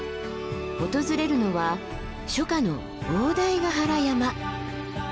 訪れるのは初夏の大台ヶ原山。